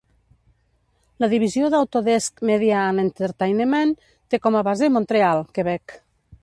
La divisió d'Autodesk Media and Entertainment té com a base Montreal, Quebec.